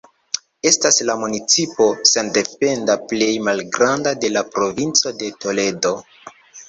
Estas la municipo sendependa plej malgranda de la provinco de Toledo.